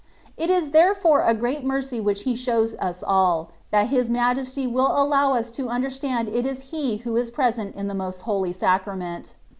It is therefore a great mercy which He shows us aU, that His Majesty will allow us to understand it is He who is present in the Most Holy Sacrament.